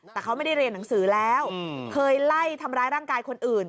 แต่เขาไม่ได้เรียนหนังสือแล้วเคยไล่ทำร้ายร่างกายคนอื่น